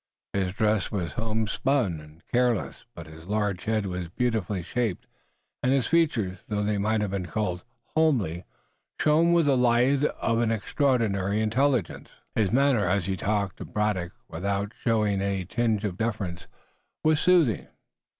His dress was homespun and careless, but his large head was beautifully shaped, and his features, though they might have been called homely, shone with the light of an extraordinary intelligence. His manner as he talked to Braddock, without showing any tinge of deference, was soothing.